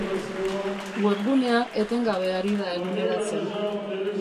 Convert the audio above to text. Webgunea etengabe ari da eguneratzen.